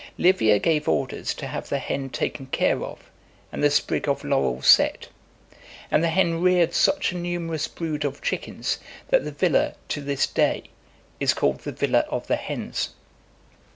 Livia gave orders to have the hen taken care of, and the sprig of laurel set; and the hen reared such a numerous brood of chickens, that the villa, to this day, is called the Villa of the Hens .